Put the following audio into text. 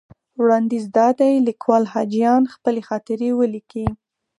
وړاندیز دا دی لیکوال حاجیان خپلې خاطرې ولیکي.